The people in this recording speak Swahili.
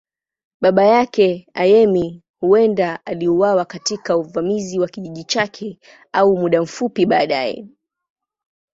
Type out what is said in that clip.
Baba yake, Ayemi, huenda aliuawa katika uvamizi wa kijiji chake au muda mfupi baadaye.